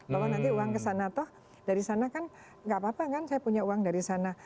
bahwa nanti uang kesana toh dari sana kan nggak apa apa kan saya punya uang dari sana